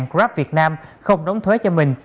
grab việt nam không đóng thuế cho mình